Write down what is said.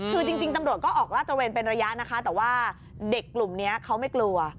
คือจริงตำรวจก็ออกลาดตระเวนเป็นระยะนะคะแต่ว่าเด็กกลุ่มนี้เขาไม่กลัว